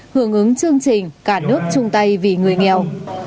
hưởng ứng chương trình cả nước trung tây vì người nghèo